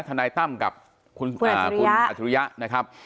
นายตั้มกับคุณอัจฉริยะนะครับ